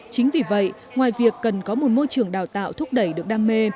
chính vì vậy ngoài việc cần có một môi trường đào tạo thúc đẩy được đam mê